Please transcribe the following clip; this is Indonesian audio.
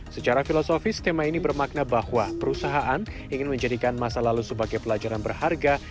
secara filosofis tema ini bermakna bahwa perusahaan ingin menjadikan masa lalu sebagai pelajaran berharga